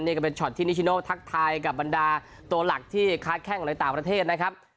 นี่ก็เป็นช็อตที่นิชิโนทักทายกับบรรดาตัวหลักที่ค้าแข้งในต่างประเทศนะครับ